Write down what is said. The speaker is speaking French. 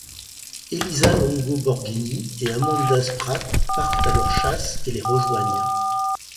Elisa Longo Borghini et Amanda Spratt partent à leur chasse et les rejoignent.